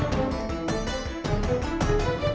kesini ada perampok